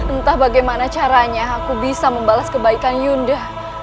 entah bagaimana caranya aku bisa membalas kebaikan yunde